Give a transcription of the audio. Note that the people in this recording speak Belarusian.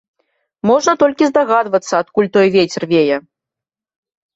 Можна толькі здагадвацца, адкуль той вецер вее.